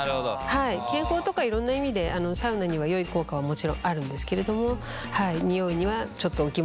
はい健康とかいろんな意味でサウナにはよい効果はもちろんあるんですけれどもニオイにはちょっと疑問かもしれません。